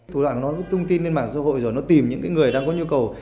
thủ đoạn nó tung tin lên mạng xã hội rồi nó tìm những người đang có nhu cầu